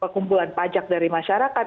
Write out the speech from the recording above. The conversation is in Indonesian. kumpulan pajak dari masyarakat